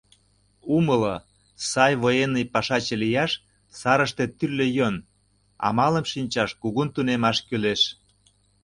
Умыло: сай военный пашаче лияш, сарыште тӱрлӧ йӧн-амалым шинчаш кугун тунемаш кӱлеш...